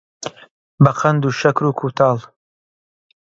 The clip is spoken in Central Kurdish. بەقەند و شەکر و کووتاڵ